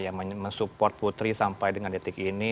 yang mensupport putri sampai dengan detik ini